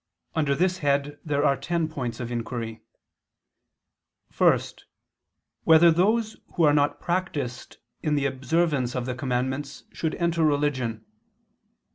Under this head there are ten points of inquiry: (1) Whether those who are not practiced in the observance of the commandments should enter religion?